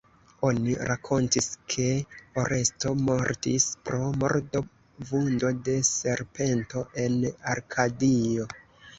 Oni rakontis ke Oresto mortis pro mordo-vundo de serpento en Arkadio.